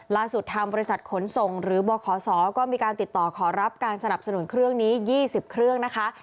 ล่าสุดทางบริษัทขนส่งหรือบขศก็มีการติดต่อขอรับการสนับสนุนเครื่องนี้๒๐เครื่องนะคะ